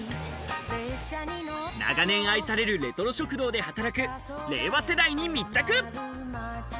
長年愛されるレトロ食堂で働く令和世代に密着。